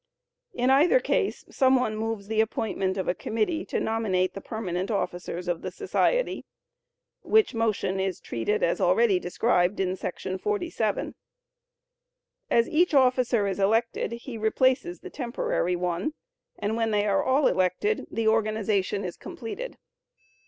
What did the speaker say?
In either case some one moves the appointment of a committee to nominate the permanent officers of the society, which motion is treated as already described in § 47. As each officer is elected he replaces the temporary one, and when they are all elected the organization is completed.